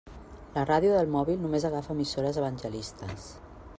La ràdio del mòbil només agafa emissores evangelistes.